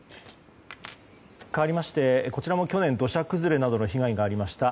かわりまして、こちらも去年、土砂崩れの被害がありました。